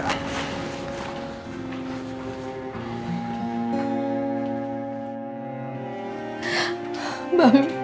oh ya ampun